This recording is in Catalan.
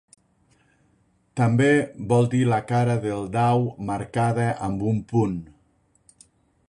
També vol dir la cara del dau marcada amb un punt.